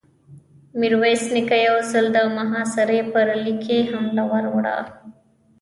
ميرويس نيکه يو ځل د محاصرې پر ليکې حمله ور وړه.